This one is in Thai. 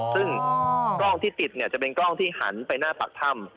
ซึ่งกล้องที่ติดจะเป็นกล้องที่หันไปหน้าปากถ้ำ